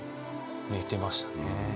寝てましたね。